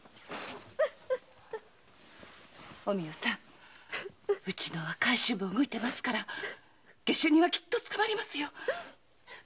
お美代さんウチの若い衆も動いてますから下手人はきっと捕まりますよ。